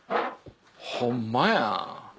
ホンマやん。